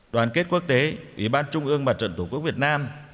đoàn kết quốc tế ủy ban trung ương mặt trận tổ quốc việt nam